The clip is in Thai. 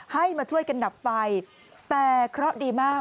ให้มาช่วยกันดับไฟแต่เคราะห์ดีมาก